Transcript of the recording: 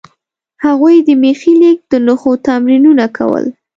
هغوی د میخي لیک د نښو تمرینونه کول.